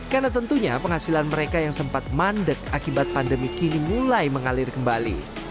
karena tentunya penghasilan mereka yang sempat mandek akibat pandemi kini mulai mengalir kembali